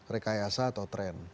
rekayasa atau tren